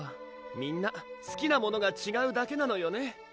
みんなすきなものがちがうだけなのよね